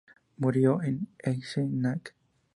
Murió en Eisenach.